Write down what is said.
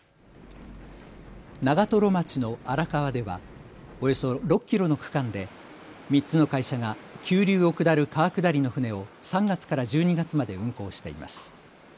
長瀞町の荒川ではおよそ６キロの区間で３つの会社が急流を下る川下りの舟を３月から１２月まで運航しています。